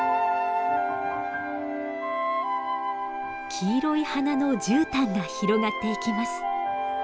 黄色い花のじゅうたんが広がっていきます。